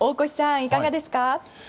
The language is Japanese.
いかがですか？